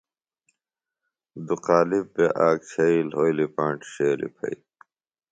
دُو قالب بےۡ آک چھئی لھولیۡ پانٹیۡ ݜیلیۡ پھئیۡ۔